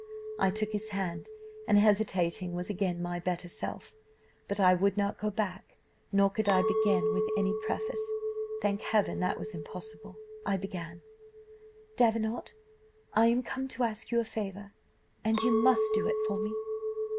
"I took his hand, and, hesitating, was again my better self; but I would not go back, nor could I begin with any preface. Thank Heaven that was impossible. I began: "'Davenant, I am come to ask you a favour, and you must do it for me.